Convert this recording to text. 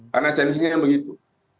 karena esensinya yang begitu